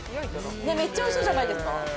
めっちゃおいしそうじゃないですか？